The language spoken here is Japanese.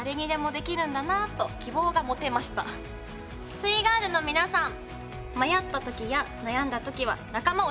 「すイガールのみなさん」。